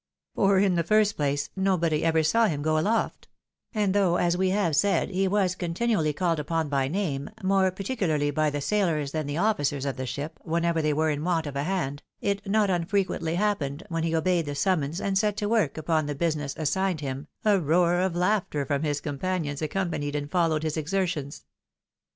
For, in the first place, nobody ever saw him go aloft ; and though, as we have said, he was continually called upon by name, more particularly by the sailors than the ofiicers of the ship, whenever they were in want of a hand, it not unfrequently happened, when he obeyed the summons and set to work upon the business assigned him, a roar of laughter from his companions accompanied and followed his exertions.